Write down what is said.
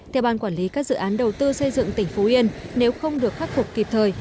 theo ban quản lý các dự án đầu tư xây dựng tỉnh phú yên nếu không được khắc phục kịp thời